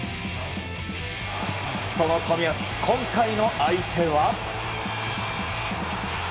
その冨安、今回の相手は。